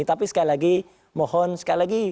tapi sekali lagi mohon sekali lagi